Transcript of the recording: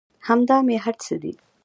همدا مې هر څه دى.